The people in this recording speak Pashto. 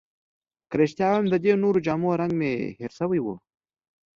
که رښتیا ووایم، د دې نورو جامو رنګ مې هیر شوی وو.